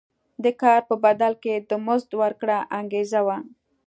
د کار په بدل کې د مزد ورکړه انګېزه وه.